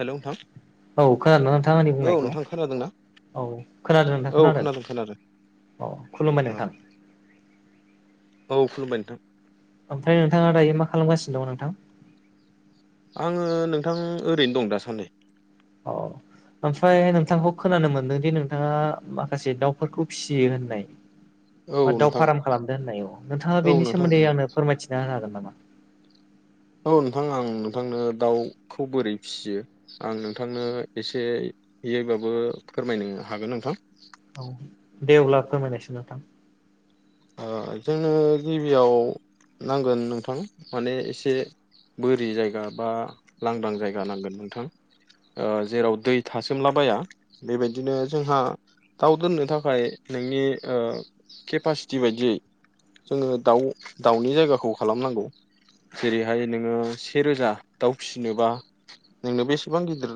Hello नोंथां औ खोनादों नोंथां आंनि औ बुंनायखौ नोंथां खोनादोंना औ खोनादों नोंथां खोनादों अ खुलुमबाय औ नोंथां औ खुलुमबाय नोंथां ओमफ्राय नोंथाङा दायो मा खालामगासिनो दं नोंथां आङो नोंथां ओरैनो दं दा सान्दि औ ओमफ्राय नोंथांखौ खोनानो मोनदोंदि नोंथाङा माखासे दाउफोरखौ फिसियो होननाय औ बा दाउ नोंथां फार्म खालामदों होननाय नोंथाङा औ बेनि नोंथां सोमोन्दै आंनो फोरमायथिना होनो हागोन मा मा औ नोंथां आं नोंथांनो दाउखौ बोरै फिसियो आं नोंथांनो एसे बेहायबाबो फोरमायनो हागोन नोंथां औ दे अब्ला फोरमायनायसै नोंथां ओ जोंनो गिबियाव नांगोन नोंथां माने एसे बोरि जायगा बा लांदां जायगा नांगोन नोंथां जेराव दै थासोमलाबाया बेबायदिनो जोंहा दाउ दोननो थाखाय नोंनि केपासिटि बायदियै जोङो दाउ दाउनि जायगाखौ खालामनांगौ जेरैहाय नोङो से रोजा दाउ फिसिनोबा नोंनो बेसेबां गिदिर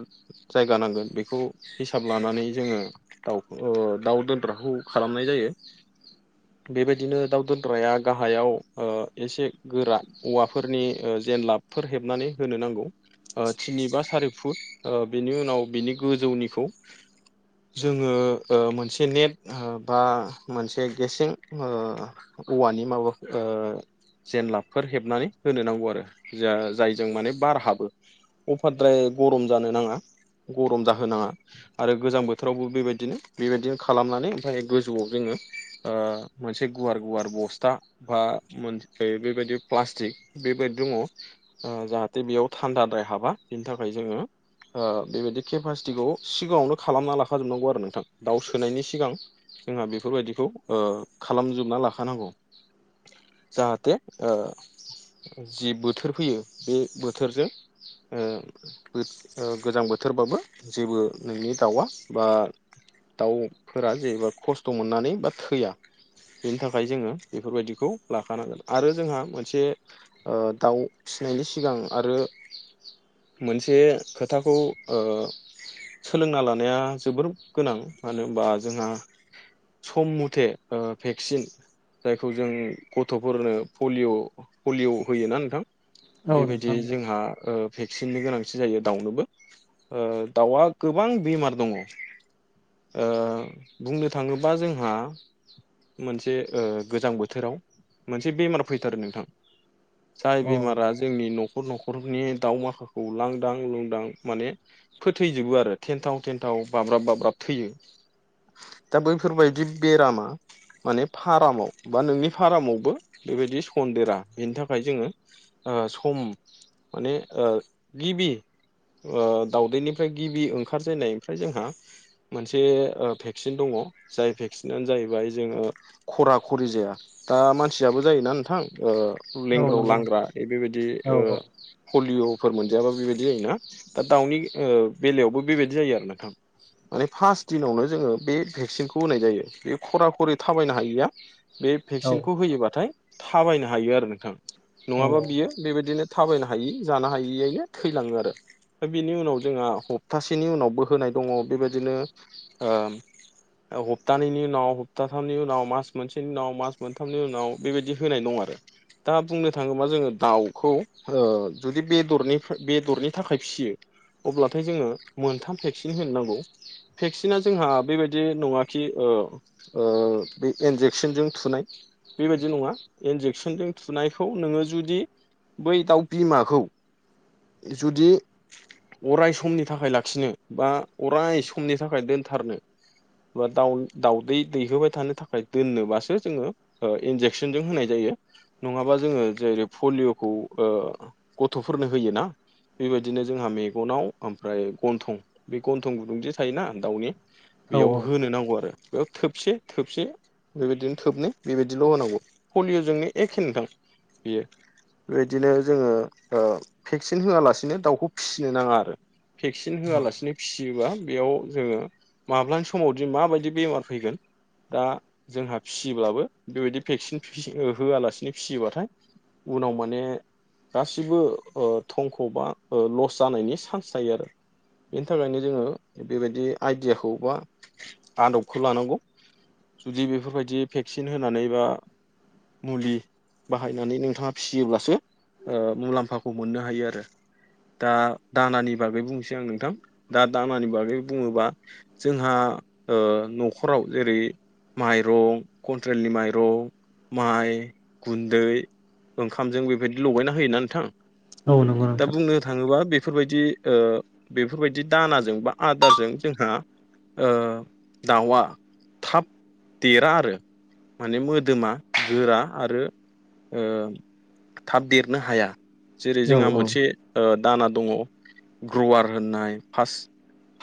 जायगा नांगोन बेखौ हिसाब लानानै जोङो दाउ ओ दाउ दोनग्राखौ खालामनाय जायो। [unintelligible] बेबायदिनो दाउ दोनग्राया गाहायाव ओ एसे गोरा औवाफोरनि ओ जेंलाबफोर हेबनानै होनो नांगौ ओ तिनि बा सारि फुत ओ बिनि उनाव बिनि गोजौ निखौ जोङो ओ मोनसे नेत आ बा मोनसे गेसें ओ औवानि माबा ओ जेनलाबफोर हेबनानै होनो नांगौ आरो जा जायजों माने बार हाबो अपाद्राय गरम जानो नाङा गरम जाहोनाङा आरो गोजां बोथोरावबो बेबायदिनो बेबायदिनो खालामनानै ओमफफ्राय गोजौआव जोङो ओ मोनसे गुवार गुवार बस्था बा मोन बेबायदि प्लास्टिक बेबाय दङ ओ जाहाथे बेयाव थान्दाद्राय हाबा बिनि थाखाय जोङो ओ बेबायदि केपासिटिखौ सिगाङावनो खालामना लाखाजोबनांगौ आरो नोंथां दाउ सोनायनि सिगां जोंहा बेफोरबायदिखौ ओ खालामजोबना लाखानांगौ। जाहाथे ओ जि बोथोर फैयो बे बोथोरजों ओ गोजां बोथोरबाबो जेबो नोंनि दाउआ बा दाउफोरा जेबा खस्थ' मोननानै बा थैया। बेनि थाखाय जोङो बेफोरबायदिखौ लाखानांगोन आरो जोंहा मोनसे ओ दाउ फिनायनि सिगां आरो मोनसे खोथाखौ ओ सोलोंना लानाया जोबोर गोनां मानो होनबा जोंहा सम मथे ओ भेक्सिन जायखौ जों गथ'फोरनो पलिय' पलिय' होयोना नोंथां? औ बेबायदि नोंथां जोंहा ओ भेक्सिननि गोनांथि जायो दाउनोबो ओ दाउआ गोबां बेमार दङ। ओ बुंनो थाङोबा जोंहा मोनसे गोजां बोथोराव मोनसे बेमार फैथारो नोंथां। जाय औ बेमारा जोंनि न' न'खर न'खरनि दाव माखाखौ लांदां लुंदां माने फोथैजोबो आरो थेन्थाव थेनथाव बाब्राब बाब्राब थैयो दा बैफोरबायदि बेरामा [unintelligible] माने फारामाव बा नोंनि फारामावबो बेबायदि सन्देरा बेनि थाखाय जोङो सम माने ओ गिबि ओ दावउदैनिफ्राय गिबि ओंखार जेननायनिफ्राय जोंहा मोनसे ओ भेक्सिन दङ। जाय भेक्सि जायो बाय जोङो खरा खरि जाया दा मानसियाबो जायोना नोंथां ओ औ लेंग्राव नंगौ नोंथां लांग्रा बे बेबायदि औ ओ पलिअ' फोर मोनजायाबा बेबायदि जायोना दा दाउनि ओ बेलायावबो बेबायदि जायो आरो नोंथां। माने फार्स्ट दिनावनो जोङो बे भेक्सिनखौ होनाय जायो बे खरा खरि थाबायनो हायिया बे औ भेक्सिनखौ होयोबाथाय थाबायनो हायो आरो नोंथां। औ नङाबा बियो बेबायदि बिदिनो थाबायनो हायि जानो हायैयनो थैलाङो आरो बिनि उनाव जोंहा हप्तासेनि उनावबो होनाय दङ बेबायदिनो ओ हप्थानैनि उनाव हप्थाथामनि उनाव मास मोनसेनि उनाव मास मोनथामनि उनाव बेबायदि होनाय दं आरो दा बुंनो थाङोब्ला जोङो दाउखौ ओ जुदि बेरनि बेदरनि थाखाय फिसियो अब्लाथाय जोङो मोनथाम भेक्सिन होनो नांगौ। भेक्सिना जोंहा बेबायदि नङाखि ओ ओ बे इन्जेकसनजों थुनाय बेबायदि नङा इन्जेकसनजों थुनायखौ नोङो जुदि बै दाउ बिमाखौ जुदि अराय समनि थाखाय लाखिनो बा अराय समनि थाखाय दोनथारनो [unintelligible] दा दाउ दै दैहोबाय थानो थाखाय दोननोबासो जोङो ओ इन्जेकसनजों होनाय जायो नङाबा जोङो जेरै पलिअ'खौ गथ'फोरनो होय ना बेबायदिनो जोंहा मेगनाव ओमफ्राय गन्थं बे गन्थं गुदुं जे थायोना दाउनि औ बेयाव होनो नांगौ आरो बेयाव थोबसे थोबसे बेबायदिनो थोबनै बेबायदिल' होनांगौ पलिय'जोंनो एखेनोथां बियो बेबायदिनो जोङो ओ भेक्सिन होआलासिनो दाउखौ फिसिनो नाङा आरो। भेक्सिन होआलासिनो फिसियोबा बेयाव जोङो माब्लानि समावदि माबायदि बेमार फैगोन दा जोंहा फिसियोब्लाबो बेबायदि भेक्सिन होआलासिनो फिसियोबाथाय उनाव माने गासिबो ओ थंख' बा ओ लस जानायनि सान्स थायो आरो बेनि थाखायनो जोङो बेबायदि आइडियाखौ बा आदबखौ लानांगौ। जुदि बेफोरबायदि भेक्सिन होनानै बा मुलि बाहायनानै नोंथाङा फियोब्लासो ओ मुलाम्फाखौ मोननो हायो आरो दा दानानि बागै बुंनोसै आं नोंथां दा दानानि बागै बुङोबा जोंहा ओ न'खराव जेरै माइरं खन्थ्रेलनि माइरं माइ गुन्दै ओंखामजों बेबायदि लगायना होयोना नोंथां नंगौ दा नोंथां बुंनो थाङोबा बे बेफोरबायदि ओ बेफोरबायदि दानाजों बा आदारजों जोंहा दाउआ थाब देरा आरो माने मोदोमा गोरा आरो ओ थाब देरनो हाया जेरै औ जोंहा औ मोनसे ओ दाना दङ ग्रुवार होननाय फार्स्ट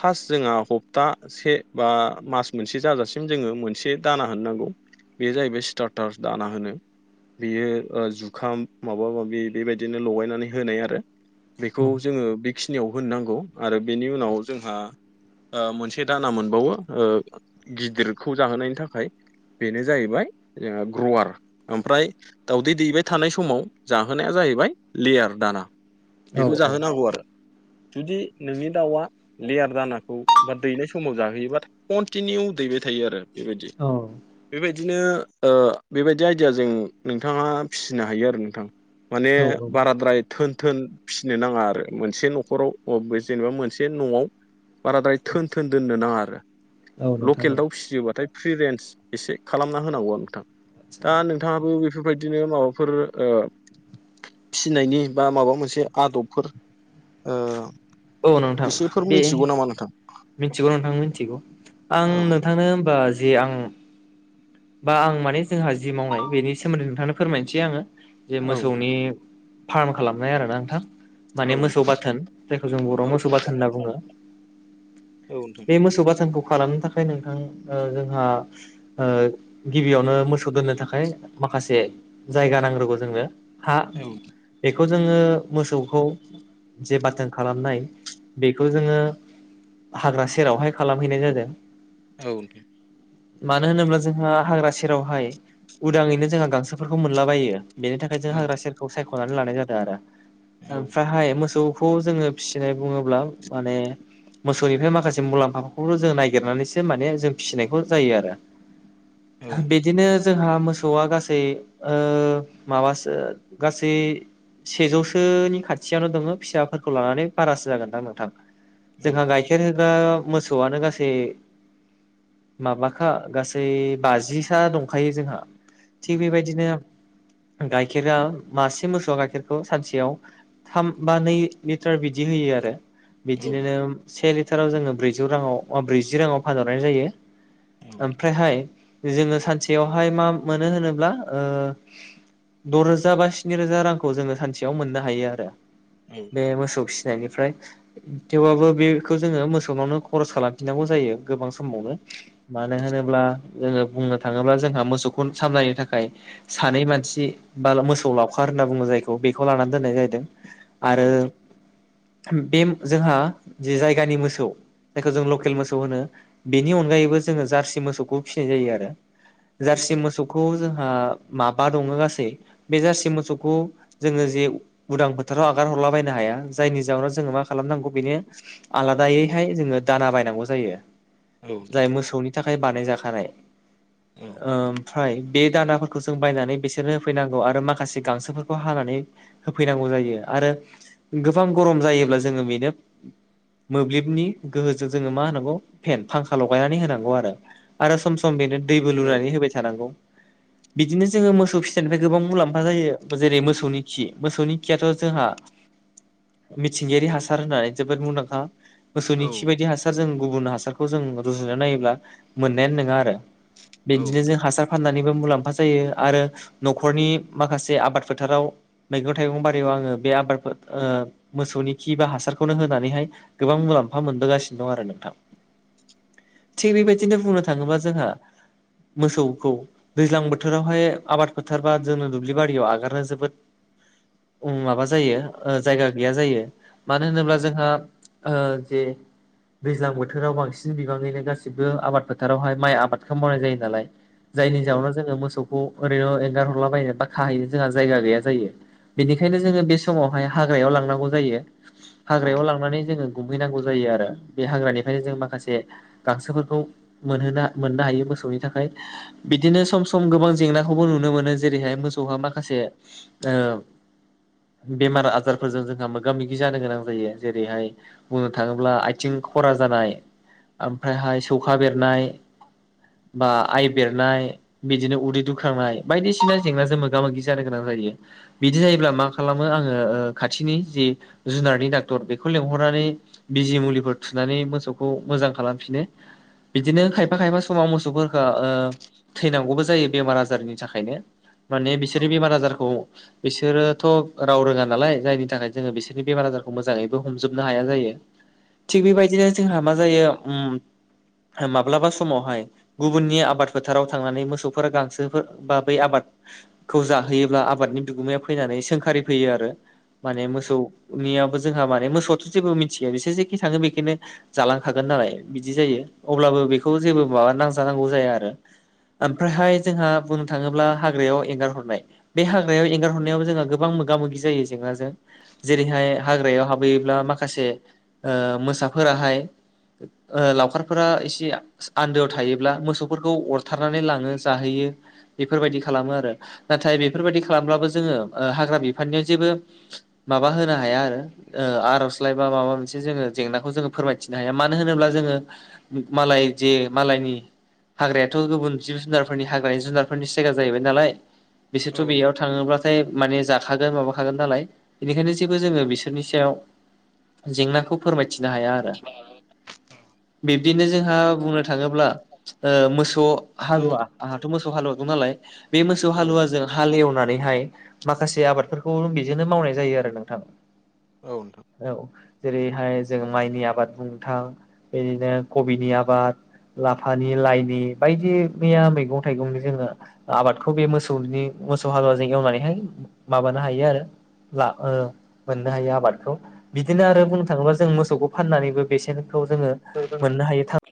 फार्स्ट जोंहा हबथासे बा मास मोनसे जाजासिम जोङो मोनसे दाना होननांगौ बे जाहैबाय स्टारटार दाना होनो बेयो जुखाम माबा माबि बेबायदिनो लगायनानै होनाय आरो बेखौ जोङो बेखिनियाव होननांगौ आरो बेनि उनाव जोंहा ओ मोनसे दाना ओ मोनबावो गिदिरखौ जाहोनायनि थाखाय बेनो जाहैबाय ओ ग्रवार ओमफ्राय दउदै दैबाय थानाय समाव जाहोनाया जाहैबाय जाहैबाय लेयार दाना औ बेखौ जाहोनांगौ आरो जुदि नोंनि दाउआ लेयार दानाखौ बा दैनाय समाव जाहोयोबा कनटिनिउ दैबाय थायो आरो बेबायदि बेबायदि बिदिनो ओ बेबायदि आइदियाजों नोंथाङा फिसिनो हायो आरो नोंथां माने औ बाराद्राय थोन थोन फिसिनो नाङा आरो मोनसे न'खराव अ जेनेबा मोनसे न'आव बाराद्राय थोन थोन दोननो नाङा आरो। औ नोंथां लकेल औ दाउ फिसियोबाथाय फ्रि रेन्ज एसे खालामना होनांगौआ नोंथां। आदसा दा नोंथाङाबो बेफोरबायदिनो माबाफोर फिनायनि बा माबा मोनसे आदबफोर ओ औ नोंथां एसेफोर बे मिथिगौ नामा नोंथां मिथिगौ नोंथां मिथिगौ। आं औ नोंथांनो हबा जे आं बा आं माने जोंहा जि मावनाय बेनि सोमोन्दै नोंथांनो फोरमायनोसै आङो जे औ मोसौनि फार्म खालामनाय आरो ना नोंथां। औ माने मोसौ नोंथां बाथोन जायखौ जों बर'आव औ मोसौ बाथोन होनना बुङो। औ नोंथां बे मोसौ बाथानखौ खालामनो थाखाय नोंथां ओ जोंहा ओ गिबियावनो मोसौ दोननो थाखाय माखासे जायगा नांग्रोगौ जोंनो। हा ए औ बेखौ जोङो मोसौखौ जे बाथोन खालामनाय बेखौ जोङो हाग्रा सेरावहाय खालामहैनाय जादों। औ। मानो होनोब्ला जोंहा हाग्रा सेरावहाय उदाङैनो जोंहा गांसोफोरखौ मोनलाबायो। बेनि थाखाय जों औ हाग्रा सेरखौ सायख'नानै लानाय जादों आरो औ ओमफ्राय हाय मोसौ खौ जोङो फिसिनाय बुङोब्ला माने मोसौनिफ्राय माखासे मुलाम्फाफोरखौ जों नागिरनानैसो माने जों फिसिनायखौ जायो आरो। औ बिदिनो जोंहा मोसौआ गासै माबासो गासै सेजौसोनि खाथियावनो दङ फिसाफोरखौ लानानै बारासो जागोनदां नोंथां। औ जोंहा गाइखेर होग्रा मोसौआनो गासै माबाखा गासै ओै बाजिसा दंखायो जोंहा थिग बेबायदिनो गाइखेरा मासे मोसौआ गाइखेरखौ सानसेयाव थाम बा नै लिटार बिदि होयो आरो। औ बिदिनो से लिटाराव जोङो ब्रैजि राङाव बा ब्रैजि राङाव फानहरनाय जायो। औ ओमफ्रायहाय जोङो सानसेयावहाय मा मोनो होनोब्ला ओ दरोजा बा स्नि रोजा रांखौ जोङो सानसेयाव मोननो हायो आरो बे मोसौ फिसि निफ्राय थेवबाबबो बेखौ जोङो मोसौनावनो खरस खालामफिननांगौ जायो गोबां समावनो। मानो होनोब्ला ङो बुंनो थाङोब्ला जोंहा मोसौखौ सामलायनो थाखाय सानै मानसि बा मोसौ लाव लावखार होनना बुङो जायखौ बेखौ लानानै दोननाय जाह जादों आरो बे जोंहा जे जायगानि मोसौ जायखौ जों लकेल मोसौ होनो बेनि अनगायैबो जोङो जार्सि मोसौखौ फिसिनाय जायो आरो जार्सि मोसौखौ जों ओ माबा दङ गासै बे जारसि मोसौखौ जोङो जे उदां फोथाराव आगार हर ला बायनो हाया जायनि जाहोनाव जोङो मा खालामनांगौ बेनो आलादायैहाय जोङो दाना बायनांगौ जायो। जाय मोसौनि थाखाय बानायजाखानाय ओमफ्राय बे दानाफोरखौ जों बायनानै बिसोरनो होफैनांगौ आरो माखासे गांसोफोरखौ हानानै होफैनांगौ जायो। आरो गोबां गरम जायोब्ला जोङो बेनो मोब्लिबनि गोहोजों जोङो मा होनांगौ फेन फांखा लगायनानै होनांगौ आरो। आरो सम सम बेनो दैबो औ लुनानै होबाय थानांगौ। बिदिनो जोङो मोसौ फिथाइनिफ्राय गोबां मुलाम्फा जायो जेरै मोसौनि खि मोसौनि खियाथ' जोंहा मिथिंगायारि हासार होननानै जोबोद मुंदांखा। मोसौनि खि औ बायदि हासार जों गुबुन हासारखौ जों रुजुना नायोब्ला मोननायानो नङा आरो। बिदिनो नोंथां औ नोंथां जों हासार फाननानै बो मुलाम्फा जायो आरो न'खरनि माखासे आबाद फोथाराव मैगं थाइगं बारियाव आङो बे आबादफोर मोसौनि खि बा हासारखौनो होनानैहाय गोबां मुलाम्फा मोनबोगासिनो दं आरो नोंथां। थिग बेबायदिनो बुंनो थाङोबा जोंहा मोसौखौ दैज्लां बोथोरावहाय आबाद फोथारबा जोंङनो दुब्लि बारियाव आगारनो जोबोद माबा जायो जायगा गैया जायो मानो होनोब्ला जोंहा। जे दैज्लां बोथोराव बांसिन बिबाङैनो गासिबो बे आबाद फोथारावहाय माइ आबादखौ मावनाय जायो नालाय औ जायनि जाहोननो जोङो मोसौखौ ओरैनो एंगारहरलाबायायनो बा खाहैनो जोंहा जायगा गैया जायो। बेनिखायनो जोङो बे समावहाय हाग्रायाव लांनांगौ जायो‌ हाग्रायाव नोंथां लांनानै जोङो गुमहैनांगौ जायो आरो बे हाग्रानिफ्रायनो जों माखासे गांसो मोननो ह मोसौनि थाखाय बिदिनो सम सम गोबां जेंनाखौबो नुनो मोनो जे जेरैहाय मोसौहा माखासे बेमार आजारफोरजों जोंहा मोगा मोगि जानो गोनां जायो जेरैहाय बुंनो थाङोब्ला आथिं खर सानाय ओमफ्रायहाय सौखा बेरनाय बा आइ बेरनाय बिदिनो उदै दुख्रांनाय बायदिसिना जेंनाजों मोगा मोगि जानो गोनां बिदि जायोब्ला मा खालामो आङो ओ खाथिनि जि जुनारनि डाक्टर बेखौ लेंहर नानै बिजि मुलिफोर थुनानै मोसौखौ मोजां खालामफिनो। बिदिनो खायफा खायफा समाव मोसौफोरखो ओ थैनांगौबो जायो बेमार आजारनि थाखायनो। माने बिसोरो बेमार आजारखौ बिसोर बिसोरोथ' राव रोङा नालाय जायनि थाखाय जोङो बिसोरनि बेमार आजारखौ मोजाङैबो हमजोबनो हाया जायो। थिग बेबायदिनो जोंहा मा जायो उम माब्लाबा समावहाय गुबुननि आबाद फोथाराव थांनानै मोसौफोर गांसोफोर बा बै आबाद खौ जाहोयोब्ला आबादनि बिगोमाया फैनानै सोंखारि फैयो आरो माने मोसौनियाबो जोंहा माने मोसौआथ' जेबो मिथिया बिसोर जेखि थाङो बेखौनो जालांखागोन नालाय बिदि जायो। अब्लाबो बेखौ जेबो माबा नांजानांगौ जाया आरो ओमफ्रायहाय जोंहा बुंनो थाङोब्ला हाग्रायाव एंगार हरनाय बे हाग्रायाव एंगार हरनायाव जोंहा गोबां मोगा मोगि जायो जेंनाजों जेरैहाय हाग्रायाव हाबैयोब्ला माखासे ओ मोसाफोराहाय ओ लावखार फोरा एसे आन्दोआव थायोब्ला मोसौफोरखौ अरथारनानै लाङो जाहैयो बेफोरबायदि ख खालामो आरो नाथाय बेफोरबायदि खालामब्लाबो जोङो हाग्रा बिफाननियाव जेबो माबा होनो हाय हाया आरो ओ आर'जलाइ बा माबा मोनसे जोङो जेंनाखौ जोङो फोरमायथिनो हाया मानो होनोब्ला जोङो मालाय जे मालायनि हाग्रायाथ' गुबुन जिब जुनारफोरनि हाग्रानि जुनारफोरनि जायगा जाहैबाय नालाय बिसोरथ' बेयाव थाङोब्लाथाय माने ज जाखागोन माबाखागोन नालाय बेनिखायनो जेबो जोङो बिसोरनि सायाव जेंनाखौ फोरमाय मिथिनो हाया आरो [inaudible] बिदिनो जोंहा बुंनो थाङोब्ला मोसौ हालुवा आंहाथ' मोसौ हालुवाखौ बे मोसौ हालुव जों हाल एवनानै नानैहाय माखासे आबादफोरखौ बेजोंनो मावनाय जायो आरो नोंथां। औ जेरैहाय जों माइनि आबाद बुंनो थां बे बिदिनो कबिनि आबाद लाफानि लाइनि बायदि मैया मैगं थाइगंनि जोङो आबादखौ बे मोसौनि मोसौ हालुवाजों एवनानैहाय माबानो हायो आरो ला मोननो हायो आबादखौ बिदिनो आरो औ बुंनो थाङोब्ला जों मोसौखौ फाननानैबो बेसेनखौ जोङो जोंहा मोननो हायो